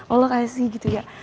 allah kasih gitu ya